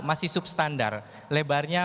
masih substandar lebarnya